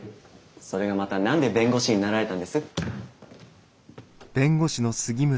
それがまた何で弁護士になられたんです？